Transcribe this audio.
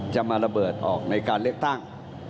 จะมาระเบิดออกในการเลือกตั้ง